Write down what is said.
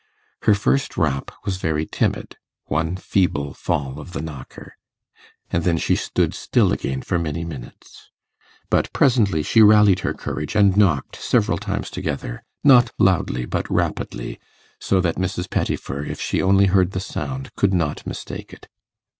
Her first rap was very timid one feeble fall of the knocker; and then she stood still again for many minutes; but presently she rallied her courage and knocked several times together, not loudly, but rapidly, so that Mrs. Pettifer, if she only heard the sound, could not mistake it.